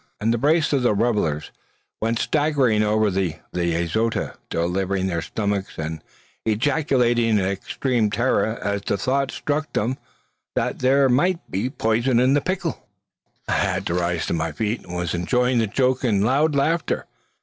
And the brace of revellers went staggering over the azotea, delivering their stomachs, and ejaculating in extreme terror as the thought struck them that there might be poison in the pickle. I had risen to my feet, and was enjoying the joke in loud laughter.